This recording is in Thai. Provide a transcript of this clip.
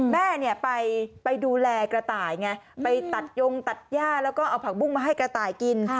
แม่เนี่ยไปดูแลกระต่ายไงไปตัดยงตัดย่าแล้วก็เอาผักบุ้งมาให้กระต่ายกิน